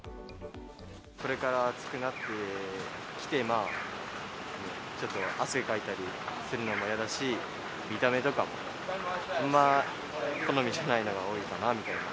これから暑くなってきて、ちょっと汗かいたりするのも嫌だし、見た目とかも、あんま好みじゃないのが多いかなみたいな。